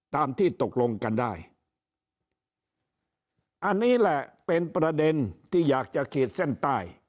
ตามที่ตกลงกันได้อันนี้แหละเป็นประเด็นที่อยากจะขีดเส้นใต้